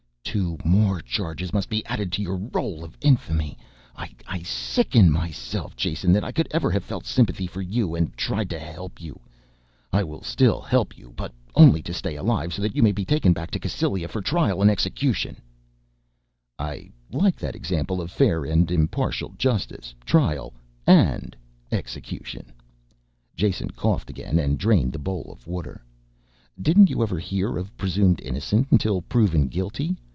"Two more charges must be added to your role of infamy. I sicken myself, Jason, that I could ever have felt sympathy for you and tried to help you. I will still help you, but only to stay alive so that you may be taken back to Cassylia for trial and execution." "I like that example of fair and impartial justice trial and execution." Jason coughed again and drained the bowl of water. "Didn't you ever hear of presumed innocence until proven guilty?